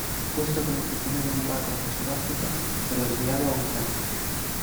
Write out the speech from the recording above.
Puesto como prisionero en un barco hacia Sudáfrica, pero desviado a Australia.